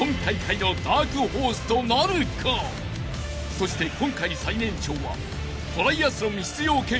［そして今回最年長は］